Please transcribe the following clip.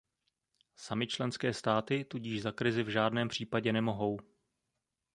Samy členské státy tudíž za krizi v žádném případě nemohou.